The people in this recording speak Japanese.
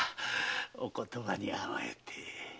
お言葉に甘えて。